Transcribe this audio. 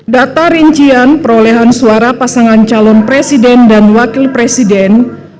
data rincian perolehan suara pasangan calon presiden dan wakil presiden